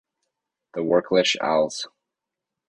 The Wirklich alles!